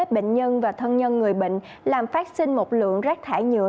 bệnh nhân và thân nhân người bệnh làm phát sinh một lượng rác thải nhựa